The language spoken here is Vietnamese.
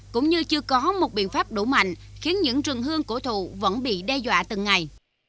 cũng như chưa có một biện pháp đủ mạnh khiến những rừng hương cổ thụ vẫn bị đe dọa từng ngày